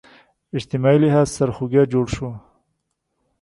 اجتماعي لحاظ سرخوږی جوړ شو